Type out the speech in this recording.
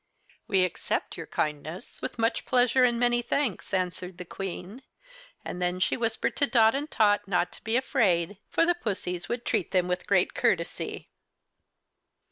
"We accept your kindness with much pleasure and many thanks," answered the Queen; and then she whispered to Dot and Tot not to be afraid, for the pussys would treat them with great courtesy.